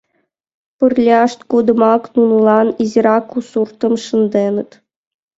Пырляшт годымак нунылан изирак у суртым шынденыт.